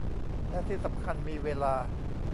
และที่สำคัญมีเวลา